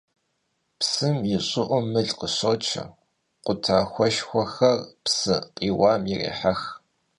Psım yi ş'ı'um mılır khışoçe, khutaxueşşxuexer psı khiuam yirêhex.